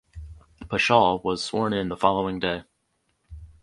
Paschal was sworn in the following day.